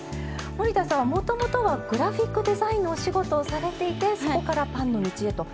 森田さんはもともとはグラフィックデザインのお仕事をされていてそこからパンの道へと。